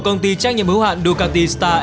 công ty trách nhiệm hữu hạn ducati star